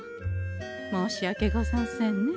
申し訳ござんせんねえ。